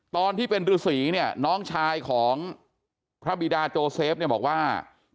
ตอนที่เป็นฤษีเนี่ยน้องชายของพระบิดาโจเซฟเนี่ยบอกว่า